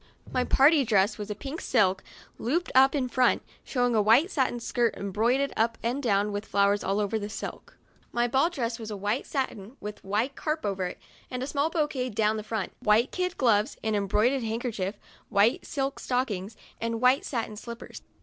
My party dress was a pink silk, looped up in front, showing a white satin skirt embroidered up and down with flowers over the silk. My ball dress was a white satin with white crape over it, and small bouquets down the front, white kid gloves, an embroider ed handkerchief, white silk stockings, and white satin slippers.